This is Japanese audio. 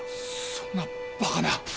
そんなバカな。